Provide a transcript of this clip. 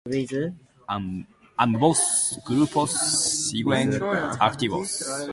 Ambos grupos siguen activos.